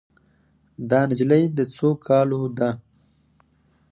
دا نجلۍ د څو کالو ده